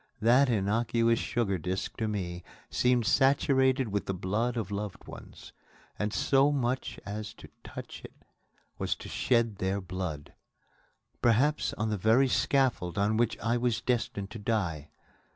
That innocuous sugar disc to me seemed saturated with the blood of loved ones; and so much as to touch it was to shed their blood perhaps on the very scaffold on which I was destined to die.